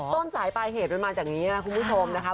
ต้นสายปลายเหตุมันมาจากนี้นะคุณผู้ชมนะคะ